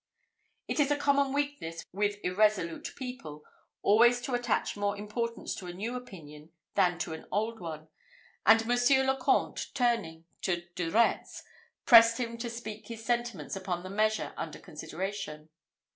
It is a common weakness with irresolute people always to attach more importance to a new opinion than to an old one; and Monsieur le Comte, turning to De Retz, pressed him to speak his sentiments upon the measure under consideration.